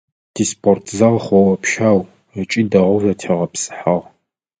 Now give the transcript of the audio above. Тиспортзал хъоопщау ыкӏи дэгъоу зэтегъэпсыхьагъ.